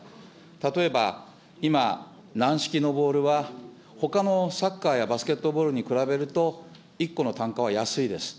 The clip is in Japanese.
例えば、今、軟式のボールは、ほかのサッカーやバスケットボールに比べると１個の単価は安いです。